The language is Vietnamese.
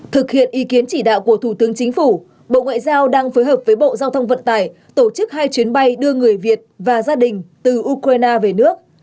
thực hiện ý kiến chỉ đạo của thủ tướng chính phủ bộ ngoại giao đang phối hợp với bộ giao thông vận tải tổ chức hai chuyến bay đưa người việt và gia đình từ ukraine về nước